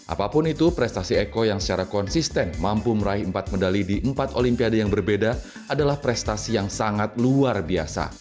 apapun itu prestasi eko yang secara konsisten mampu meraih empat medali di empat olimpiade yang berbeda adalah prestasi yang sangat luar biasa